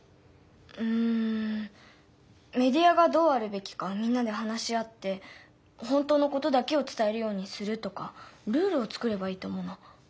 うんメディアがどうあるべきかみんなで話し合って「本当のことだけを伝えるようにする」とかルールを作ればいいと思うな。